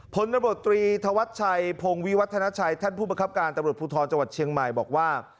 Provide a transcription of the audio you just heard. ผลตำรวจตรีธวัชชัยพงวิวัฒนาชัยท่านผู้ประคับการตำรวจภูทรจังหวัดเชียงใหม่บอกว่า